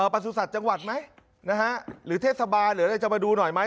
ประสุทธิ์จังหวัดไหมนะฮะหรือเทศบาลหรืออะไรจะมาดูหน่อยไหม